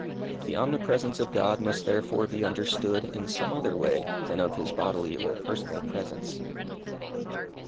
The omnipresence of God must therefore be understood in some other way than of His bodily or personal presence.